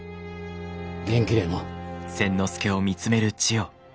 元気での。